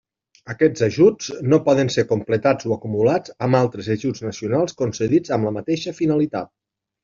Aquests ajuts no poden ser completats o acumulats amb altres ajuts nacionals concedits amb la mateixa finalitat.